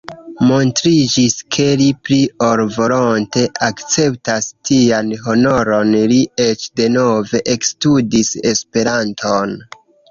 Montriĝis ke li pli ol volonte akceptas tian honoron: li eĉ denove ekstudis Esperanton.